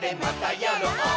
やろう！